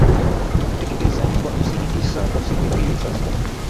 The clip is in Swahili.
na kuteketeza nyumba hamsini tisa kwa siku ya pili sasa